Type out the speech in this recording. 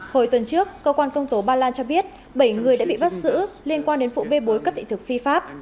hồi tuần trước cơ quan công tố ba lan cho biết bảy người đã bị bắt giữ liên quan đến vụ bê bối cấp thị thực phi pháp